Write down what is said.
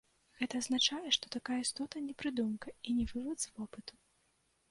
Гэта азначае, што такая істота не прыдумка, і не вывад з вопыту.